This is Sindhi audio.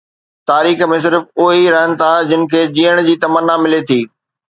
تاريخ ۾ صرف اهي ئي رهن ٿا جن کي جيئڻ جي تمنا ملي ٿي.